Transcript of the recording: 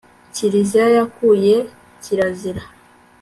kiriziya yakuye kirazira